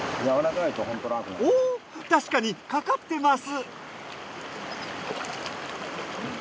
おっ確かにかかってます！